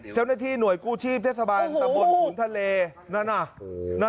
จ้าวหน้าที่หน่วยกู้ชีพเทคสาบันสมุทรศาเบียนธนาฬิกา